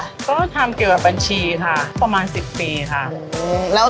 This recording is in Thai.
ก็ทำเกี่ยวกับบัญชีค่ะประมาณ๑๐ปีค่ะ